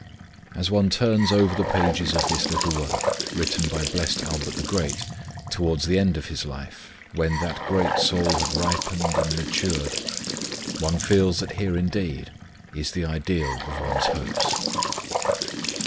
As one turns over the pages of this little work, written by Blessed Albert the Great 1 to wards the end of his life, when that great soul had ripened and matured, one feels that here indeed is the ideal of one s hopes.